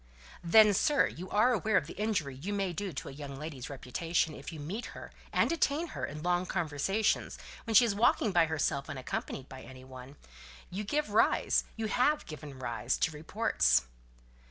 "Then, sir! are you aware of the injury you may do to a young lady's reputation if you meet her, and detain her in long conversations, when she is walking by herself, unaccompanied by any one? You give rise you have given rise to reports."